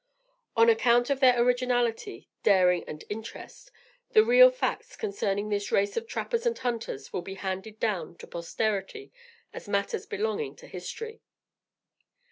On account of their originality, daring and interest, the real facts, concerning this race of trappers and hunters, will be handed down to posterity as matters belonging to history.